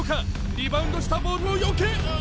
リバウンドしたボールをよけない。